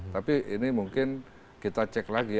tapi ini mungkin kita cek lagi